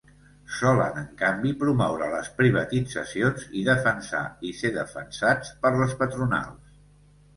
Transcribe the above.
Solen, en canvi, promoure les privatitzacions i defensar, i ser defensats, per les patronals.